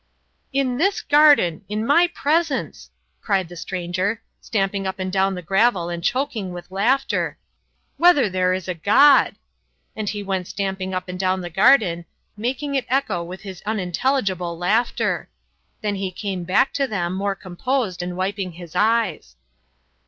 "In this garden! In my presence!" cried the stranger, stamping up and down the gravel and choking with laughter, "whether there is a God!" And he went stamping up and down the garden, making it echo with his unintelligible laughter. Then he came back to them more composed and wiping his eyes.